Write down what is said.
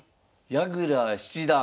矢倉七段。